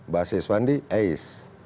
bahas siswandi eis